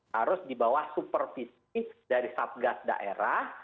harus dibawah supervisi dari satgas daerah